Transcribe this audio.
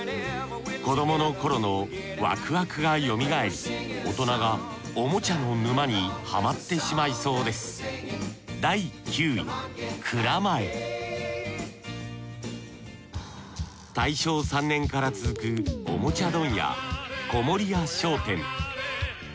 子どもの頃のワクワクがよみがえり大人がおもちゃの沼にハマってしまいそうです大正３年から続くおもちゃ問屋小森屋商店。